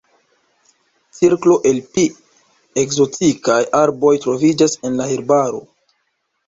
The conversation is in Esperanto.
Cirklo el pli ekzotikaj arboj troviĝas en la herbaro.